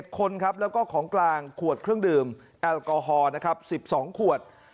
คนครับแล้วก็ของกลางขวดเครื่องดื่มแอลกอฮอล์นะครับ๑๒ขวด